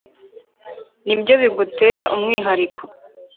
nibyo bigutera umwihariko